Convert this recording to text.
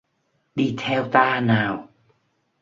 Đi theo ta nào